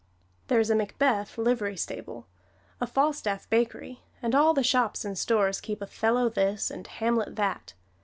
There is a Macbeth livery stable, a Falstaff bakery, and all the shops and stores keep Othello this and Hamlet that.